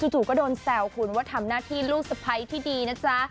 จู่ก็โดนแซวคุณว่าทำหน้าที่ลูกสะพ้ายที่ดีนะจ๊ะ